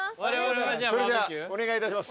それじゃあお願いいたします。